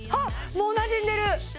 もうなじんでる！